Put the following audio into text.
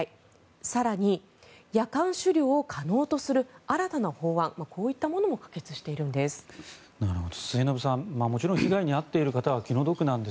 更に、夜間狩猟を可能とする新たな法案こういったものも可決しているんです。